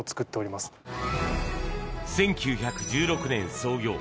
１９１６年創業。